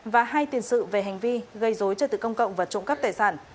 và hai tiền sự về hành vi gây dối trật tự công cộng và trộm cắp tài sản